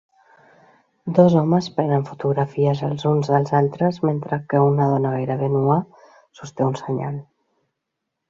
Dos homes prenen fotografies els uns dels altres mentre que una dona gairebé nua sosté un senyal